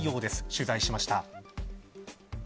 取材しました。